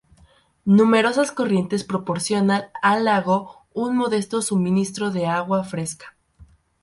Numerosas corrientes proporcionan al lago un modesto suministro de agua fresca.